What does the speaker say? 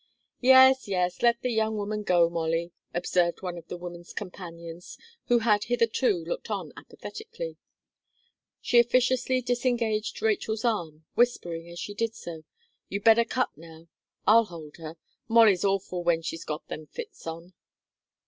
"Yes yes, let the young woman go, Molly," observed one of the woman's companions who had hitherto looked on apathetically. She officiously disengaged Rachel's arm, whispering as she did so: "You'd better cut now I'll hold her. Molly's awful when she's got them fits on."